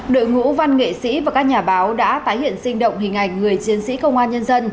đội ngũ văn nghệ sĩ và các nhà báo đã tái hiện sinh động hình ảnh người chiến sĩ công an nhân dân